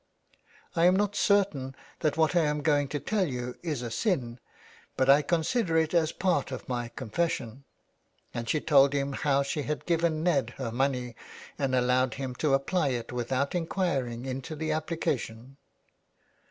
" I am not certain that what I am going to tell you is a sin, but I consider it as part of my confession," and she told him how she had given Ned her money and allowed him to apply it without inquiring into the application.